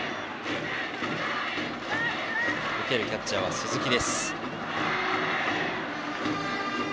受けるキャッチャーは鈴木。